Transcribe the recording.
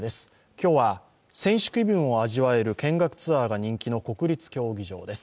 今日は選手気分を味わえる見学ツアーが人気の国立競技場です。